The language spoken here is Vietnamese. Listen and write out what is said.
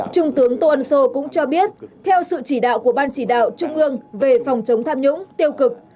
trung tướng tô ân sô cũng cho biết theo sự chỉ đạo của ban chỉ đạo trung ương về phòng chống tham nhũng tiêu cực